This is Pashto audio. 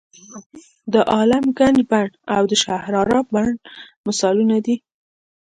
د عالم ګنج بڼ او د شهرارا بڼ مثالونه دي.